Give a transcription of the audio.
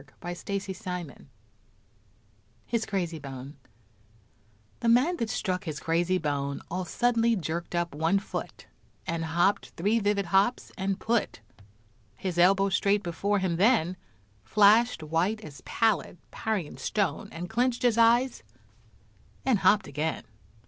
His Crazy Bone The man that struck his crazy bone, All suddenly jerked up one foot And hopped three vivid hops, and put His elbow straight before him then Flashed white as pallid Parian stone, And clinched his eyes, and hopped again.